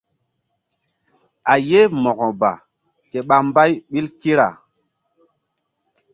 A ye Mo̧ko ba ke ɓa mbay ɓil kira.